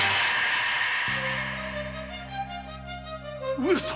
上様！